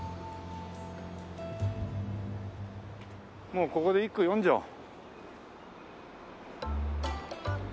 もうここで一句詠んじゃおう。